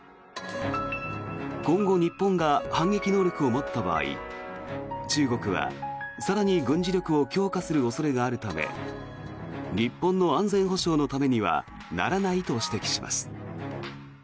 今後、日本が反撃能力を持った場合中国は更に軍事力を強化する恐れがあるため日本の安全保障のためにはならないと指摘します。